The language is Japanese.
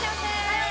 はい！